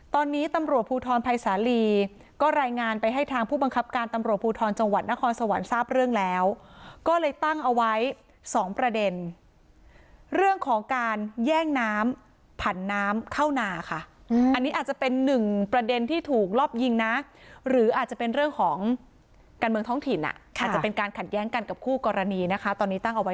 ตอนนี้ตำรวจภูทรภัยสาลีก็รายงานไปให้ทางผู้บังคับการตำรวจภูทรจังหวัดนครสวรรค์ทราบเรื่องแล้วก็เลยตั้งเอาไว้สองประเด็นเรื่องของการแย่งน้ำผันน้ำเข้านาค่ะอันนี้อาจจะเป็นหนึ่งประเด็นที่ถูกรอบยิงนะหรืออาจจะเป็นเรื่องของการเมืองท้องถิ่นอ่ะอาจจะเป็นการขัดแย้งกันกับคู่กรณีนะคะตอนนี้ตั้งเอาไว้